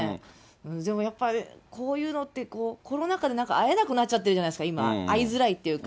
でもやっぱりこういうのって、コロナ禍で会えなくなっちゃってるじゃないですか、今、会いづらいというか。